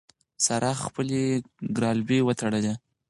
سارا خپلې ګرالبې وتړلې.